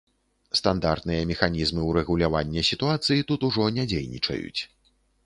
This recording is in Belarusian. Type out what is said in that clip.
Стандартныя механізмы ўрэгулявання сітуацыі тут ужо не дзейнічаюць.